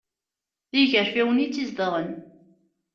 D igarfiwen i tt-izedɣen.